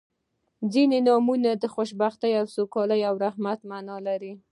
• ځینې نومونه د خوشبختۍ، سوکالۍ او رحمت معنا لري.